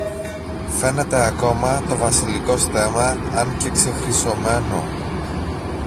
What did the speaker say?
Φαίνεται ακόμα το βασιλικό στέμμα, αν και ξεχρυσωμένο.